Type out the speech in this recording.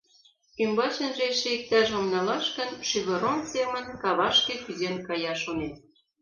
Ӱмбачынже эше иктаж-мом налаш гын, шӱвыроҥ семын кавашке кӱзен кая, шонет.